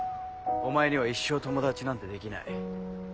お前には一生友達なんてできない。